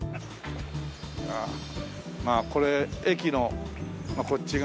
まあこれ駅のこっち側。